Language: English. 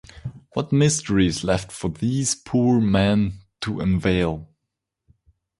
What mystery is left for these poor men to unveil?